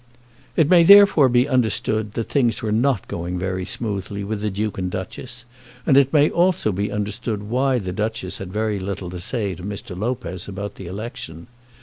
It may therefore be understood that things were not going very smoothly with the Duke and Duchess; and it may also be understood why the Duchess had had very little to say to Mr. Lopez about the election.